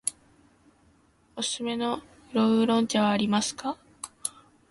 おすすめの黒烏龍茶はありますか。